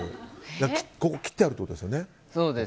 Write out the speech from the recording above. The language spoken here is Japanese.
切ってあるってことですよね。